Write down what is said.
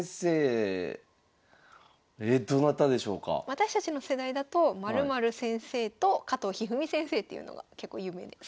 私たちの世代だと○○先生と加藤一二三先生っていうのが結構有名で。